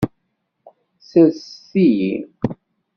Serset-iyi.